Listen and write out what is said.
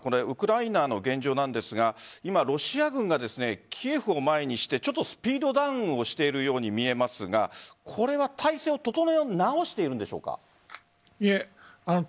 ウクライナの現状なんですが今、ロシア軍がキエフを前にしてちょっとスピードダウンをしているように見えますがこれは態勢を整え直しているんでしょうか？